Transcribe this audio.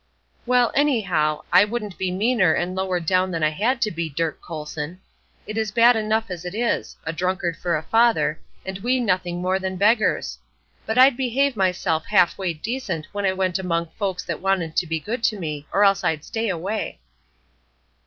"Well, anyhow, I wouldn't be meaner and lower down than I had to be, Dirk Colson! It is bad enough as it is, a drunkard for a father, and we nothing more than beggars! But I'd behave myself half way decent when I went among folks that wanted to be good to me, or else I'd stay away."